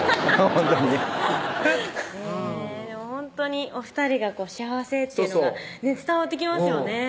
ほんとにへぇでもほんとにお２人が幸せっていうのが伝わってきますよね